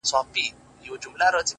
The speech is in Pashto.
• تا چي پر لمانځه له ياده وباسم ـ